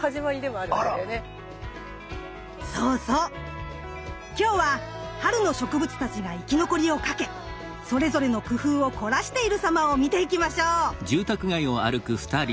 そうそう今日は春の植物たちが生き残りをかけそれぞれの工夫を凝らしているさまを見ていきましょう！